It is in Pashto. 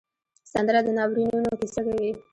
سندره د ناورینونو کیسه کوي